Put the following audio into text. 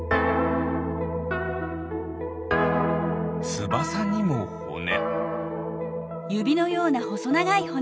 つばさにもほね。